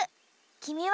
きみは？